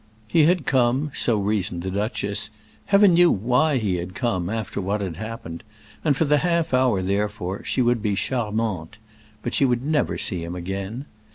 He had come, so reasoned the duchess—Heaven knew why he had come, after what had happened; and for the half hour, therefore, she would be charmante. But she would never see him again.